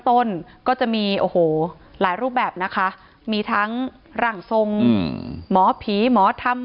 ต้นก็จะมีโอ้โหหลายรูปแบบนะคะมีทั้งร่างทรงหมอผีหมอธรรม